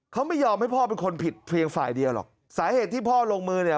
เขาไม่ยอมให้พ่อเป็นคนผิดเพียงฝ่ายเดียวหรอกสาเหตุที่พ่อลงมือเนี่ย